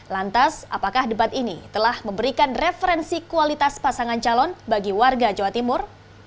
lantas apakah debat ini telah memberikan referensi kualitas pasangan calon bagi warga jawa timur